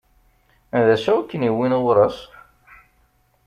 D acu i ken-iwwin ɣur-s?